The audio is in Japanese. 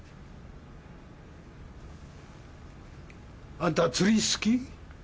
あんた釣り好き？